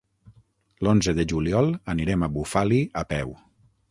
L'onze de juliol anirem a Bufali a peu.